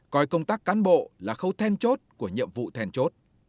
coi công tác cán bộ là khâu thèn chốt của nhiệm vụ thèn chốt